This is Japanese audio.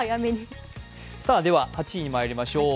８位まいりましょう。